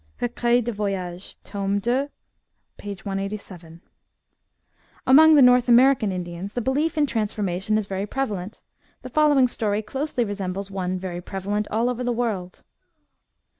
— {Recueil de Voyages, tom. ii. 187.) Among the North American Indians, the belief in transformation is very prevalent. The following story closely resembles one very prevalent all over the world.